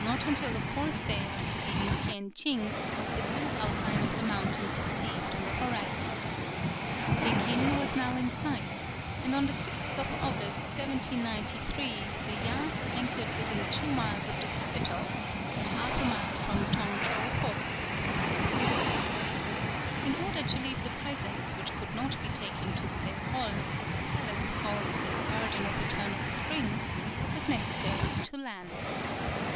Not until the fourth day after leaving Tien Tsing was the blue outline of mountains perceived on the horizon. Pekin was now in sight; and on the 6th of August, 1793, the yachts anchored within two miles of the capital, and half a mile from Tong Chow Fow. In order to leave the presents which could not be taken to Zhe Hol, at the palace, called "The garden of eternal spring," it was necessary to land.